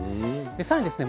さらにですね